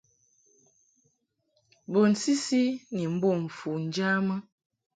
Bun sisi ni mbom fu njamɨ.